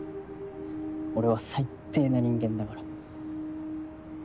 俺は最低な人間だから。